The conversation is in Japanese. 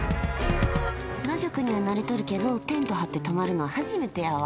野宿には慣れてるけどテント張って泊まるの初めてやわ。